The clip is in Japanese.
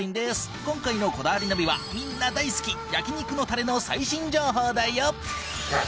今回の『こだわりナビ』はみんな大好き焼肉のたれの最新情報だよ。